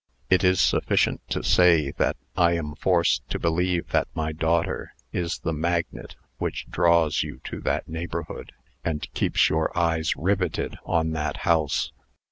It is sufficient to say, that I am forced to believe that my daughter is the magnet which draws you to that neighborhood, and keeps your eyes riveted on that house.